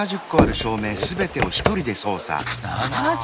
７０！